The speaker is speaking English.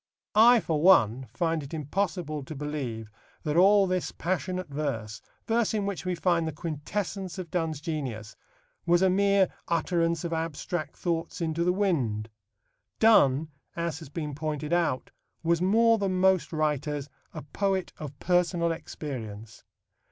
I, for one, find it impossible to believe that all this passionate verse verse in which we find the quintessence of Donne's genius was a mere utterance of abstract thoughts into the wind. Donne, as has been pointed out, was more than most writers a poet of personal experience.